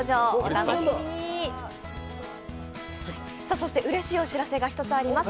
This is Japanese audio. そしてうれしいお知らせが一つあります